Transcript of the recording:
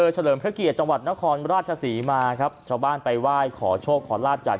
เลิมพระเกียรติจังหวัดนครราชศรีมาครับชาวบ้านไปไหว้ขอโชคขอลาบจาก